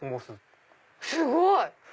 すごい！